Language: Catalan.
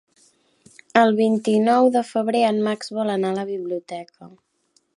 El vint-i-nou de febrer en Max vol anar a la biblioteca.